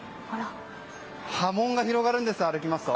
波紋が広がるんです、歩きますと。